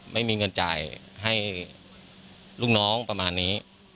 ไม่มีเงินจ่ายให้ลูกน้องประมาณนี้